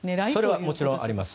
それはもちろんあります。